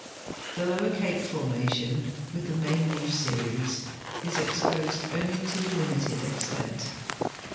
The Lower Cape formation, with the Main Reef .series, is exposed onh' to a limited extent.